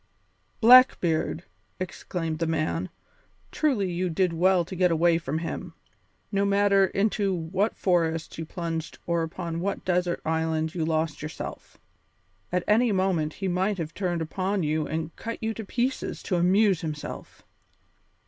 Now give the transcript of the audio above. "Blackbeard!" exclaimed the man. "Truly you did well to get away from him, no matter into what forests you plunged or upon what desert island you lost yourself. At any moment he might have turned upon you and cut you to pieces to amuse himself.